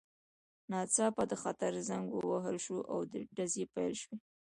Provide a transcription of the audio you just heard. ناڅاپه د خطر زنګ ووهل شو او ډزې پیل شوې